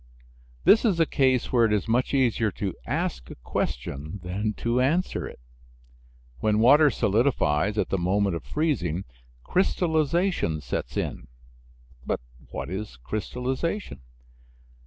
This is a case where it is much easier to ask a question than to answer it. When water solidifies at the moment of freezing, crystallization sets in. But what is crystallization?